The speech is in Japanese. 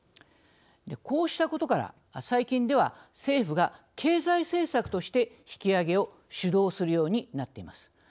こうしたことから最近では政府が経済政策として引き上げを主導するようになっています。